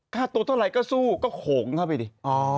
ค่าตัวเท่าไหร่ก็สู้ก็โขงเข้าไปดิ